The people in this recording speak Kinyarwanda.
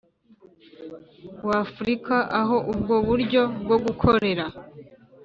w Afurika aho ubwo buryo bwo gukorera